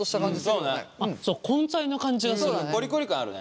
そう根菜な感じがする。